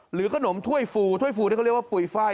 ขนมถ้วยฟูถ้วยฟูที่เขาเรียกว่าปุ๋ยไฟล